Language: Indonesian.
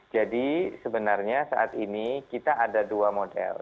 jadi sebenarnya saat ini kita ada dua model